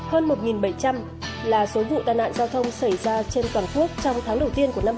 hơn một bảy trăm linh là số vụ đàn ạn giao thông xảy ra trên toàn quốc trong tháng đầu tiên của năm hai nghìn một mươi sáu